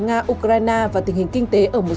nga ukraine và tình hình kinh tế